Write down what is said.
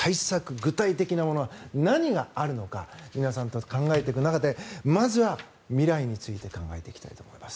具体的なものは何があるのか皆さんと考えていく中でまずは未来について考えていきたいと思います。